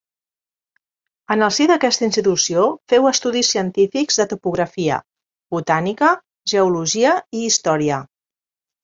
En el si d'aquesta institució féu estudis científics de topografia, botànica, geologia i història.